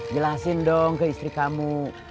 jelasin dong ke istri kamu